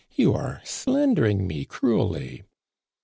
You are slandering me cruelly."